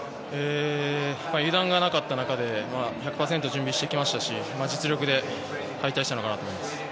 油断がなかった中で１００％準備してきましたし実力で敗退したのかなと思います。